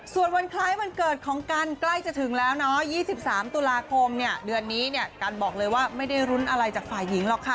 ส่วนวันคล้ายวันเกิดของกันใกล้จะถึงแล้วเนาะ๒๓ตุลาคมเนี่ยเดือนนี้เนี่ยกันบอกเลยว่าไม่ได้รุ้นอะไรจากฝ่ายหญิงหรอกค่ะ